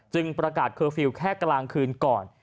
ประกาศเคอร์ฟิลล์แค่กลางคืนก่อน